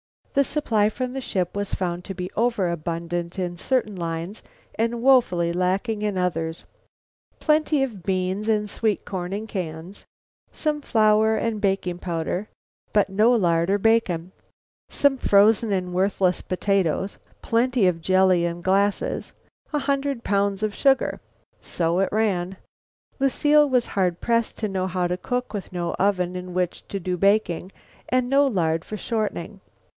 The supply from the ship was found to be over abundant in certain lines and woefully lacking in others: plenty of beans and sweet corn in cans, some flour and baking powder but no lard or bacon; some frozen and worthless potatoes; plenty of jelly in glasses; a hundred pounds of sugar. So it ran. Lucile was hard pressed to know how to cook with no oven in which to do baking and with no lard for shortening.